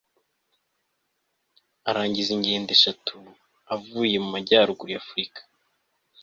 arangiza ingendo eshatu avuye mumajyaruguru ya afurika